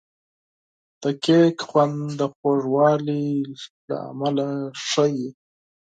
د کیک خوند د خوږوالي له امله ښه وي.